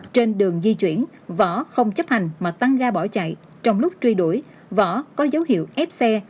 trên đường di chuyển võ không chấp hành mà tăng ga bỏ chạy trong lúc truy đuổi võ có dấu hiệu ép xe